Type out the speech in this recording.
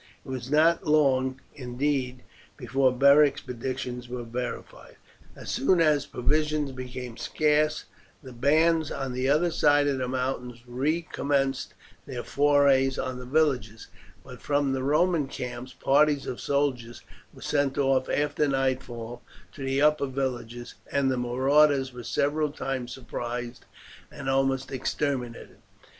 It was not long, indeed, before Beric's predictions were verified. As soon as the provisions became scarce the bands on the other side of the mountains recommenced their forays on the villagers, but from the Roman camps parties of soldiers were sent off after nightfall to the upper villages, and the marauders were several times surprised and almost exterminated.